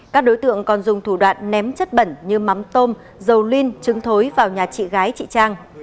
các đối tượng còn dùng thủ đoạn ném chất bẩn như mắm tôm dầu lyn trứng thối vào nhà chị gái chị trang